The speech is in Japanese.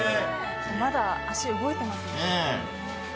まだ足動いてますもんね。